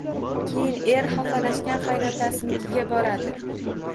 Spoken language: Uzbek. Keyin er xafalashgan qaynotasinikiga boradi